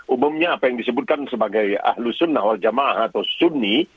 umumnya apa yang disebutkan sebagai ahlus sunnah wal jamaah atau sunni